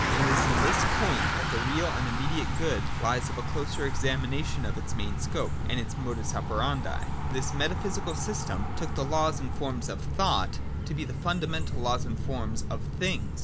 And it is in this point that the real and imfflediate good lies of a closer examination of its main scope and its modus operandi. 28.] This metaphysical system took the laws and forms of thought to be the fundamental laws and forms of things.